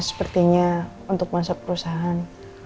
sepertinya untuk masa perusahaan